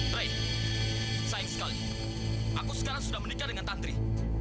draih sayang sekali aku sekarang sudah menikah dengan tantri